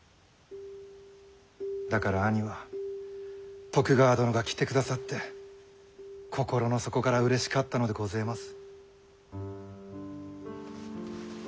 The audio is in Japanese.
だから兄は徳川殿が来てくださって心の底からうれしかったのでごぜます。